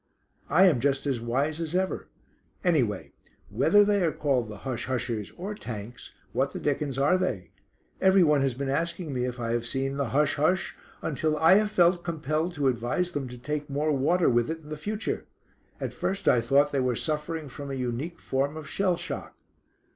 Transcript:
"I am just as wise as ever. Anyway, whether they are called the 'Hush Hushers' or 'Tanks,' what the dickens are they? Everyone has been asking me if I have seen the 'Hush! hush!' until I have felt compelled to advise them to take more water with it in future. At first I thought they were suffering from a unique form of shell shock."